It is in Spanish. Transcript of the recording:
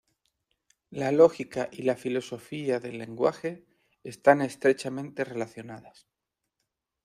La lógica y la filosofía del lenguaje están estrechamente relacionadas.